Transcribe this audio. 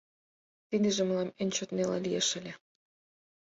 Тидыже мылам эн чот неле лиеш ыле.